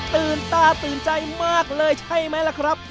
ตื่นตาตื่นใจมากเลยใช่ไหมล่ะครับ